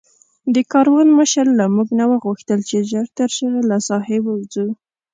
د کاروان مشر له موږ نه وغوښتل چې ژر تر ژره له ساحې ووځو.